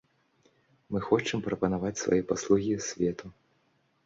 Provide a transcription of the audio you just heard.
Мы хочам прапанаваць свае паслугі свету.